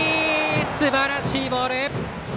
すばらしいボール！